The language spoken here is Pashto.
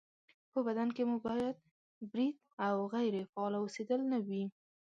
په بدن کې مو باید برید او غیرې فعاله اوسېدل نه وي